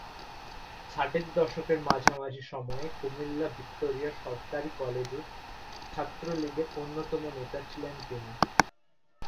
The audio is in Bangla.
ষাটের দশকের মাঝামাঝি সময়ে কুমিল্লা ভিক্টোরিয়া সরকারি কলেজে ছাত্রলীগের অন্যতম নেতা ছিলেন তিনি।